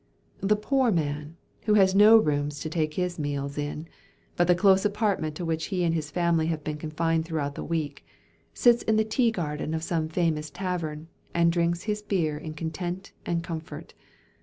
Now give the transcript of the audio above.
The poor man, who has no room to take his meals in, but the close apartment to which he and his family have been confined throughout the week, sits in the tea garden of some famous tavern, and drinks his beer in content and comfort.